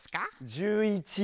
１１。